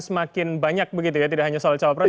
semakin banyak begitu ya tidak hanya soal cawapres